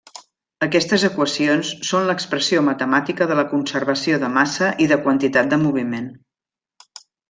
Aquestes equacions són l'expressió matemàtica de la conservació de massa i de quantitat de moviment.